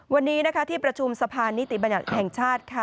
วันนี้ที่ประชุมสภานิติบัญชาชน์แห่งชาติ